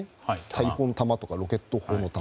大砲の弾とかロケット砲の弾。